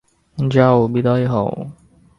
যাও, বিদায় হও।